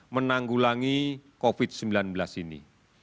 menanggulangi covid sembilan belas ini